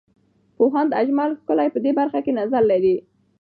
پوهاند اجمل ښکلی په دې برخه کې نظر لري.